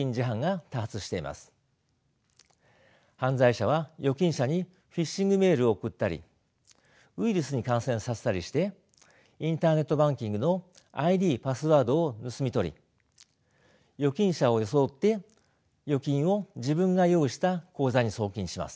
犯罪者は預金者にフィッシングメールを送ったりウイルスに感染させたりしてインターネットバンキングのＩＤパスワードを盗み取り預金者を装って預金を自分が用意した口座に送金します。